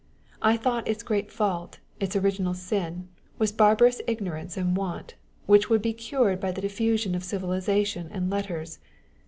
I thought its great faiilt, its original sin, was barbarous ignorance and want, which would be cured by the diffusion of civilisation and letters.